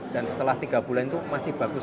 dan setelah tiga bulan itu masih bagus